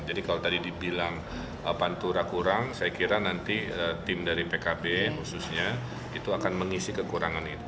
jadi kalau tadi dibilang pantura kurang saya kira nanti tim dari pkb khususnya itu akan mengisi kekurangan itu